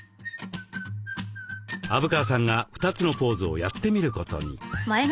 虻川さんが２つのポーズをやってみることに。